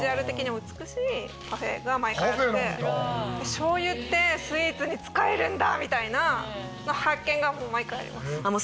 しょうゆってスイーツに使えるんだみたいな発見が毎回あります。